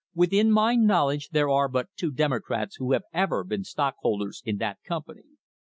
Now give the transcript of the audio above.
Within my knowledge there are but two Demo crats who have ever been stockholders in that company."